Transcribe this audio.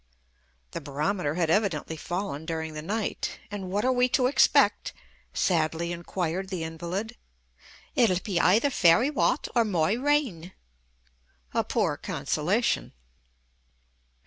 The barometer had evidently fallen during the night. "And what are we to expect?" sadly inquired the invalid. "It'll pe aither ferry wat, or mohr rain" a poor consolation!